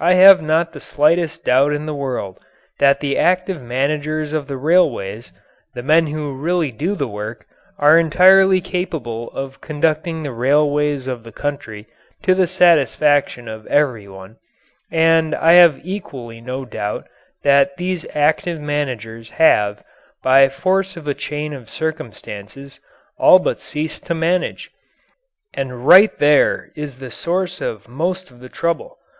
I have not the slightest doubt in the world that the active managers of the railways, the men who really do the work, are entirely capable of conducting the railways of the country to the satisfaction of every one, and I have equally no doubt that these active managers have, by force of a chain of circumstances, all but ceased to manage. And right there is the source of most of the trouble.